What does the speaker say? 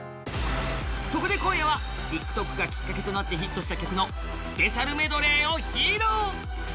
そこで今夜はＴｉｋＴｏｋがきっかけとなってヒットした曲のスペシャルメドレーを披露！